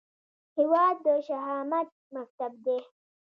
هیواد د شهامت مکتب دی